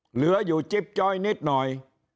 เหลืออยู่จิ๊บจ้อยนิดหน่อย